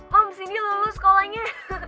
mam sindi lulus sekolahnya